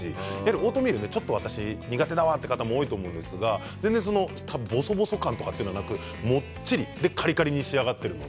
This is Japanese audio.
オートミールが苦手だという方も多いと思いますがぼそぼそ感もなくもっちりカリカリに仕上がっています。